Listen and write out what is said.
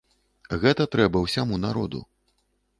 Гэта трэба ўсяму народу.